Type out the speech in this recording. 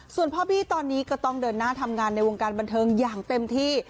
ส่วนพ่อบี้ตอนนี้ก็ต้องเดินหน้าทำงานในวงการบันเทิงอย่างเต็มที่